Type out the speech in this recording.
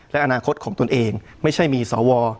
และอนาคตของตนเองไม่ใช่มีสว